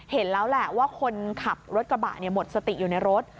เห็นแล้วแหละว่าคนขับรถกระบะหมดสติอยู่ในรถ